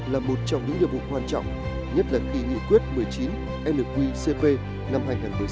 là một trong những điều vụ quan trọng nhất là kỳ nghị quyết một mươi chín nqcp năm hai nghìn một mươi sáu